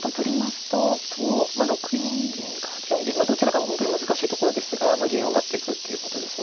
とまあ６四銀か８四銀どちらかは本当に難しいところですが銀を上がっていくっていうことですね。